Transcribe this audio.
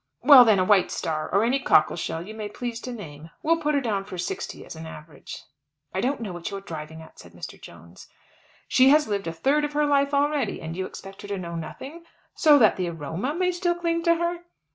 "Well, then, a White Star or any cockle shell you may please to name. We'll put her down for sixty as an average." "I don't know what you are driving at," said Mr. Jones. "She has lived a third of her life already, and you expect her to know nothing, so that the aroma may still cling to her.